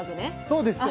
そうです。